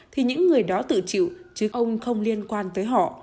thì những người đó tự chịu chứ ông không liên quan tới họ